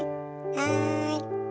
はい。